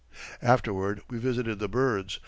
Afterward we visited the birds.